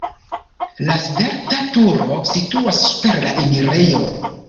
La svelta turo situas super la enirejo.